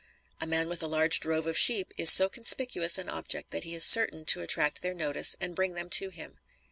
A man with a large drove of sheep is so conspicuous an object that he is certain to attract their notice and bring them to him.